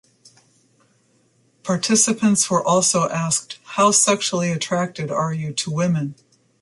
Participants were also asked How sexually attracted are you to women?